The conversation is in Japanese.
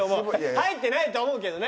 入ってないと思うけどね。